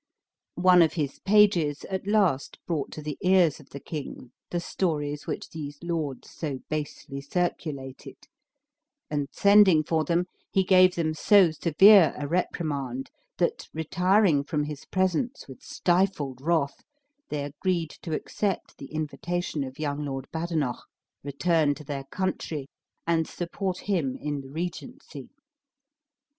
Once of his pages at last brought to the ears of the kings the stories which these lords so basely circulated; and sending for them, he gave them so severe a reprimand, that, retiring from his presence with stifled wrath, they agreed to accept the invitation of young Lord Badenoch, return to their country, and support him in the regency.